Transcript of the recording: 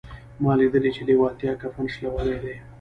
ما لیدلي چې لېوالتیا کفن شلولی دی